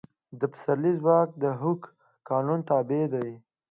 د پسرلي ځواک د هوک قانون تابع دی.